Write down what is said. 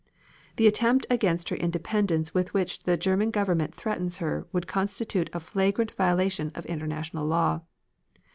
The attempt against her independence with which the German Government threatens her would constitute a flagrant violation of international law.